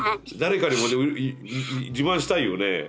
誰かにも自慢したいよね。